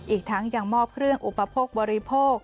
อีกทั้งยังมอบเครื่องอุปโภคบริโภค